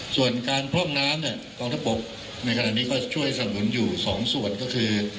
ส่วนการพร่องน้ำเนี่ยกองทัพบกในขณะนี้ก็ช่วยสนุนอยู่สองส่วนก็คือ